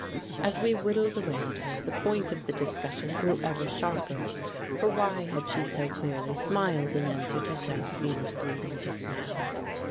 As we whittled away at her, the point of the discussion grew ever sharper, for why had she so clearly smiled in answer to Seraphina's greeting just now?